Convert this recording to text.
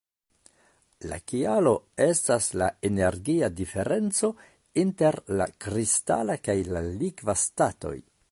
La kialo estas la energia diferenco inter la kristala kaj la likva statoj.